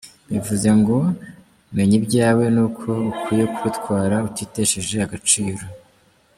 Bivuze ngo, menya ibyawe n’uko ukwiye kubitwara utitesheje agaciro.